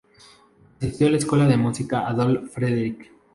Asistió a la Escuela de Música Adolf Fredrik.